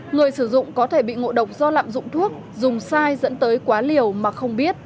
người sử dụng có thể bị ngộ độc do lạm dụng thuốc dùng sai dẫn tới quá liều mà không biết